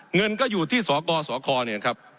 เงินก็อยู่ที่สกสคเนี่ยนะครับ